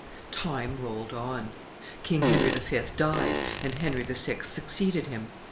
Time rolled on. King Henry the Fifth died, and Henry the Sixth succeeded him.